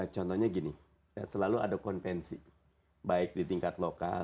contohnya gini selalu ada konvensi baik di tingkat lokal